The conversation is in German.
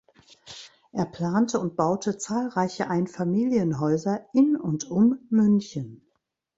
Er plante und baute zahlreiche Einfamilienhäuser in und um München.